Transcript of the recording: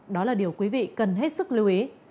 đó là điều quý vị cần hết sức lưu ý